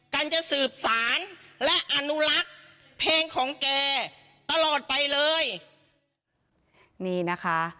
กันจะสืบสารและอนุรักษ์เพลงของแกตลอดไปเลยนี่นะคะ